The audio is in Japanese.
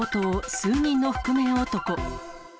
数人の覆面男。